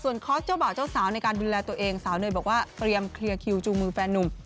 คอร์สเจ้าบ่าวเจ้าสาวในการดูแลตัวเองสาวเนยบอกว่าเตรียมเคลียร์คิวจูงมือแฟนนุ่ม